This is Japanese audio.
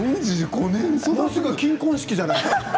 もうすぐ金婚式じゃないですか。